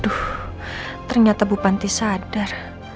aduh ternyata bu panti sadar